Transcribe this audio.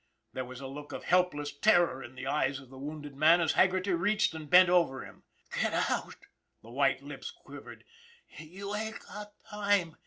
There was a look of helpless terror in the eyes of the wounded man as Haggerty reached and bent over him. " Get out," the white lips quivered. " You ain't got time.